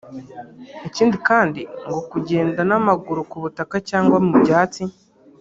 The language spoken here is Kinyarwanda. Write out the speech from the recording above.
Ikindi kandi ngo kugenda n’amaguru ku butaka cyangwa mu byatsi